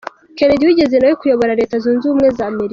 Kennedy wigeze nawe kuyobora Reta zunze ubumwe za Amerika.